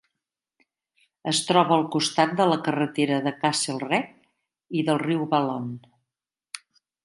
Es troba al costat de la carretera de Castlereagh i del riu Balonne.